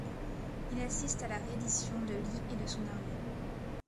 Il assiste à la reddition de Lee et de son armée.